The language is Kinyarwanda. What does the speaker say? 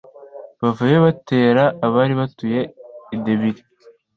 bavayo batera abari batuye i debiri